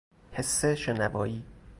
حس شنوایی